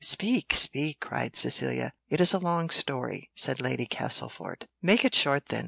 "Speak, speak," cried Cecilia. "It is a long story," said Lady Castlefort. "Make it short then.